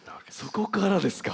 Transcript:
そこからですか。